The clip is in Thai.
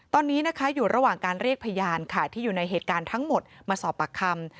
ตอนนี้นะคะอยู่ระหว่างการเรียกพยานค่ะที่อยู่ในเหตุการณ์ทั้งหมดมาสอบปากคำ